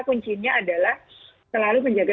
kuncinya adalah selalu menjaga